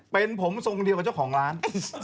เป็นผมทรงเดียวกับเจ้าของร้าน